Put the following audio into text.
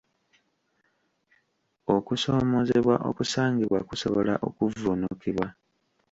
Okusomoozebwa okusangibwa kusobola okuvvuunukibwa.